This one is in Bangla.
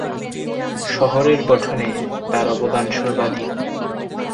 শহরের গঠনে তার অবদান সর্বাধিক।